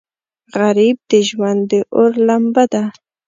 غریب د ژوند د اور لمبه ده